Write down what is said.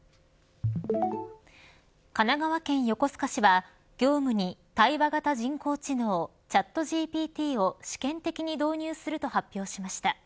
神奈川県横須賀市は業務に対話型人工知能チャットＧＰＴを試験的に導入すると発表しました。